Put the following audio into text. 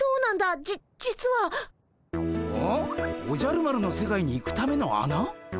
おじゃる丸の世界に行くためのあな？